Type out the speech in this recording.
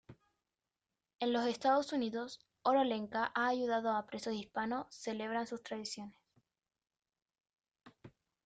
En los Estados Unidos, Oro Lenca ha ayudado a presos hispanos celebran sus tradiciones.